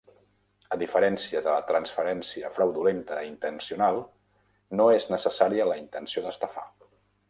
A diferència de la transferència fraudulenta intencional, no és necessària la intenció d'estafar.